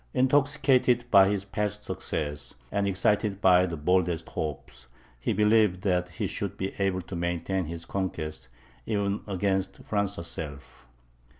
Intoxicated by his past success, and excited by the boldest hopes, he believed that he should be able to maintain his conquests, even against France herself.